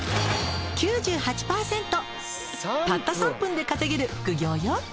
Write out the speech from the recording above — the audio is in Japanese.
たった３分で稼げる副業よ。